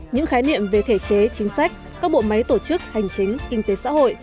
những khái niệm về thể chế chính sách các bộ máy tổ chức hành chính kinh tế xã hội